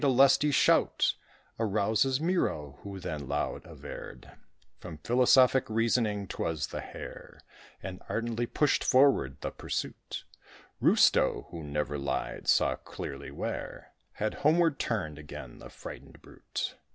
A lusty shout Arouses Miraut, who then loud averred, From philosophic reasoning, 'twas the Hare, And ardently pushed forward the pursuit. Rustaut, who never lied, saw clearly where Had homeward turned again the frightened brute.